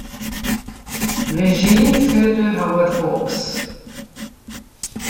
Regie führte Howard Hawks.